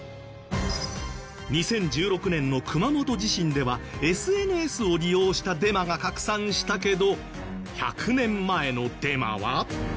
２０１６年の熊本地震ではＳＮＳを利用したデマが拡散したけど１００年前のデマは。